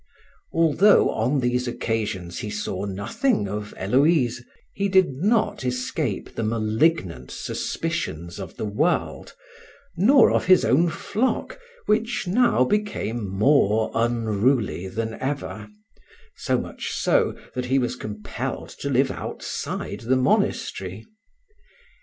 Although on these occasions he saw nothing of Héloïse, he did not escape the malignant suspicions of the world, nor of his own flock, which now became more unruly than ever, so much so that he was compelled to live outside the monastery.